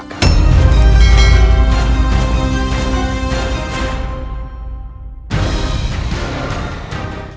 dia adalah penguasa yang jauh